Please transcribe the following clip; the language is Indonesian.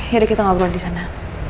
yaudah kita ngobrol disana